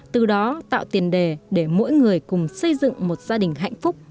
từ đó tạo tiền đề để mỗi người cùng xây dựng một gia đình hạnh phúc